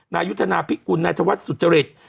นายุทธนาพิกุลนายธวัฒน์สุจริต